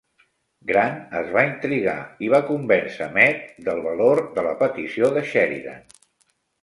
Grant es va intrigar i va convèncer Meade del valor de la petició de Sheridan.